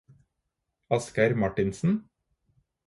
Asgeir Marthinsen